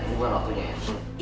ini bukan waktunya ya